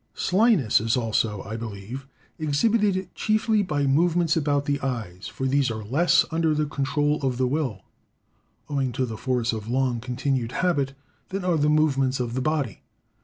Slyness is also, I believe, exhibited chiefly by movements about the eyes; for these are less under the control of the will, owing to the force of long continued habit, than are the movements of the body.